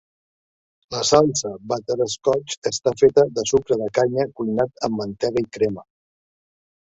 La salsa Butterscotch està feta de sucre de canya cuinat amb mantega i crema.